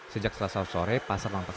sejak selesai sore pasar mengekalkan